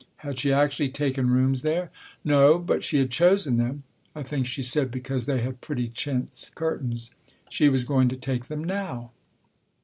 Had she actually taken rooms there ? Book I : My Book 17 No. But she had chosen them (I think she said because they had pretty chintz curtains). She was going to take them now.